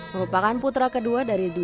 merupakan putra kedua dari dwi